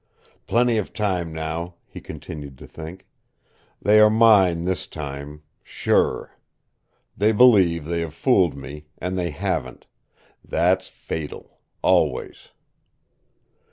"Plenty of time now," he continued to think. "They are mine this time sure. They believe they have fooled me, and they haven't. That's fatal. Always."